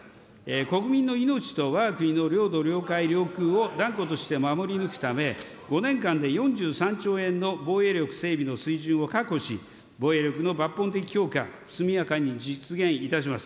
国民の命とわが国の領土、領海、領空を断固として守り抜くため、５年間で４３兆円の防衛力整備の水準を確保し、防衛力の抜本的強化、速やかに実現いたします。